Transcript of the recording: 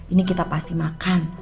ini kita pasti makan